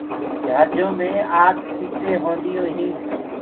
جھآجو مي آٺ سيٚٽينٚ هونٚديونٚ